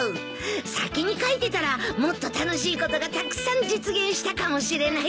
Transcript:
先に書いてたらもっと楽しいことがたくさん実現したかもしれないじゃないか。